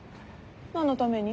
何のために？